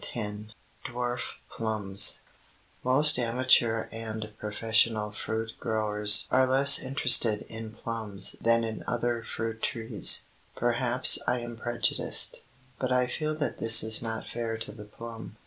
X DWARF PLUMS Most amateur and professional fruit growers are less interested in plums than in other tree fruits. Perhaps I am prejudiced, but I feel that this is not fair to the plum.